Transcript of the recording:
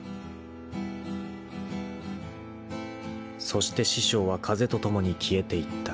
［そして師匠は風と共に消えていった］